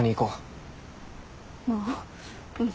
まあうん。